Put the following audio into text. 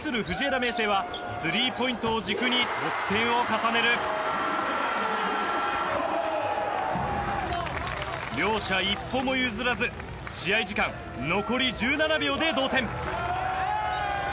明誠はスリーポイントを軸に得点を重ねる。両者一歩も譲らず試合時間、残り１７秒で同点。